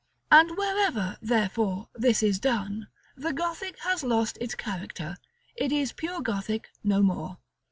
And wherever, therefore, this is done, the Gothic has lost its character; it is pure Gothic no more.